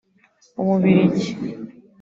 Ububiligi